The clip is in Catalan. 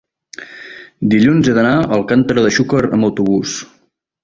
Dilluns he d'anar a Alcàntera de Xúquer amb autobús.